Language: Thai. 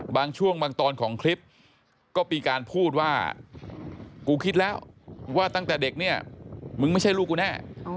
บางช่วงบางตอนของคลิปก็มีการพูดว่ากูคิดแล้วว่าตั้งแต่เด็กเนี่ยมึงไม่ใช่ลูกกูแน่